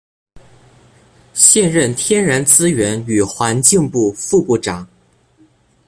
现任天然资源与环境部副部长。